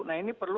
nah ini perlu